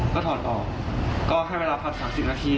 ก็ถอดออกก็ให้เวลาพัก๓๐นาที